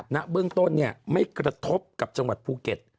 ณเบื้องต้นไม่กระทบกับจังหวัดภูเก็ต